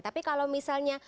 tapi kalau misalnya